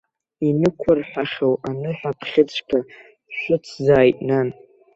Инықәырҳәахьоу аныҳәаԥхьыӡқәа шәыцзааит, нан!